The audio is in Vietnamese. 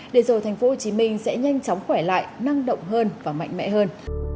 để rồi thành phố hồ chí minh sẽ nhanh chóng khỏe lại năng động hơn và mạnh mẽ hơn